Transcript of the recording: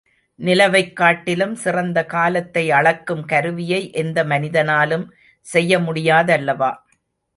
நிலவைக் காட்டிலும் சிறந்த காலத்தை அளக்கும் கருவியை எந்த மனிதனாலும் செய்யமுடியாதல்லவா?